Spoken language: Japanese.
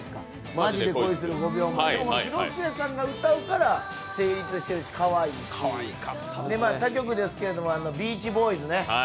「ＭａｊｉでＫｏｉする５秒前」、広末さんが歌うから成立しているし、かわいいし、他局ですけど「ビーチボーイズ」ね。